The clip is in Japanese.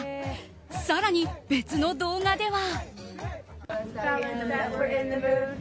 更に、別の動画では。